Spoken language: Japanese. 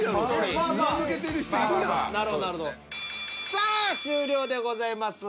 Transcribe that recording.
さあ終了でございます。